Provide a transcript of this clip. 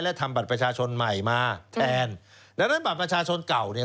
และทำบัตรประชาชนใหม่มาแทนดังนั้นบัตรประชาชนเก่าเนี่ย